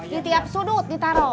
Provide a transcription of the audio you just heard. di tiap sudut ditaro